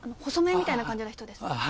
細めみたいな感じの人ですか？